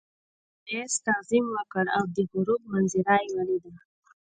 میرويس تعظیم وکړ او د غروب منظره یې ولیده.